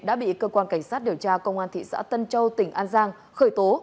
đã bị cơ quan cảnh sát điều tra công an thị xã tân châu tỉnh an giang khởi tố